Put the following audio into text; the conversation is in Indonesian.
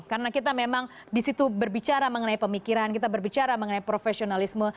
karena kita memang di situ berbicara mengenai pemikiran kita berbicara mengenai profesionalisme